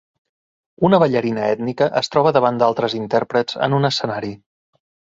Una ballarina ètnica es troba davant d'altres intèrprets en un escenari.